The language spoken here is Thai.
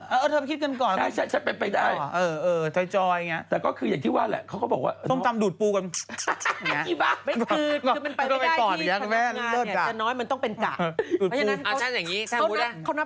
เอ่อเธอไปคิดกันก่อน